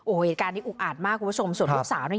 โอ้โหเหตุการณ์นี้อุกอาจมากคุณผู้ชมส่วนลูกสาวเนี่ย